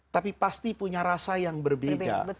tapi pasti punya rasa yang berbeda